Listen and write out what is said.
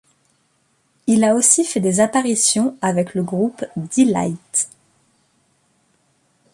Il a aussi fait des apparitions avec le groupe Deee-Lite.